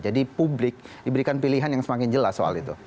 jadi publik diberikan pilihan yang semakin jelas soal itu